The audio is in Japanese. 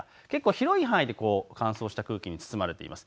広い範囲で乾燥した空気に包まれています。